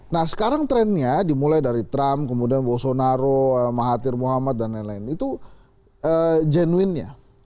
nah sekarang trendnya dimulai dari trump kemudian bolsonaro mahathir muhammad dan lain lain itu genuinnya